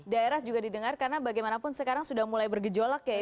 daerah juga didengar karena bagaimanapun sekarang sudah mulai bergejolak ya